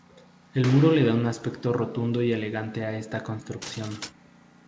El muro le da un aspecto rotundo y elegante a esta construcción.